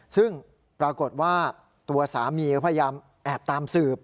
ซึ่งปรากฏว่าตัวสามีก็พยายามแอบตามสืบ